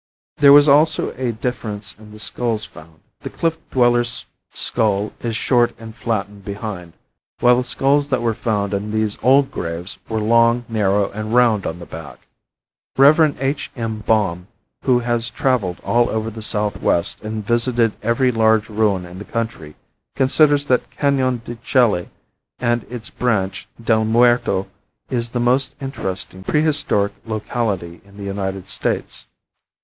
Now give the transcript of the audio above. There was also a difference in the skulls found. The cliff dwellers' skull is short and flattened behind, while the skulls that were found in these old graves were long, narrow and round on the back. Rev. H. M. Baum, who has traveled all over the southwest and visited every large ruin in the country, considers that Canon de Chelly and its branch, del Muerto, is the most interesting prehistoric locality in the United States.